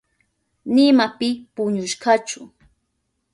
Nima pi puñushkachu.